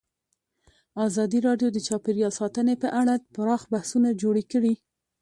ازادي راډیو د چاپیریال ساتنه په اړه پراخ بحثونه جوړ کړي.